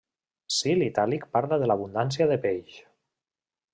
Sil Itàlic parla de l'abundància de peix.